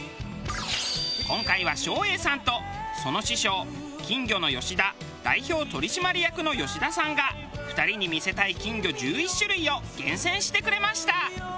今回は照英さんとその師匠金魚の吉田代表取締役の吉田さんが２人に見せたい金魚１１種類を厳選してくれました。